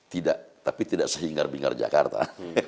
tidak tapi tidak sehinggar bingar jakarta